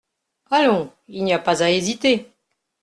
Allons, il n’y a pas à hésiter.